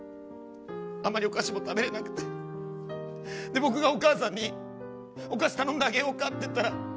あまりお菓子も食べれなくて僕がお母さんにお菓子頼んであげようかって言ったら。